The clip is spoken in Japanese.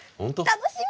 楽しみ！